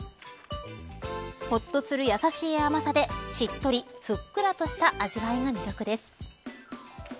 ほっとする優しい甘さでしっとり、ふっくらとした味わいが魅力です。